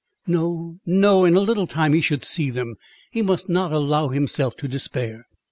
—"No! no! in a little time he should see them! He must not allow himself to despair."